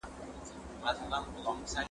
زه اوس مړۍ پخوم،